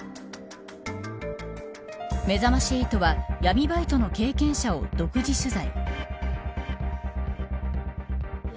めざまし８は闇バイトの経験者を独自取材。